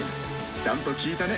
ちゃんときいたね。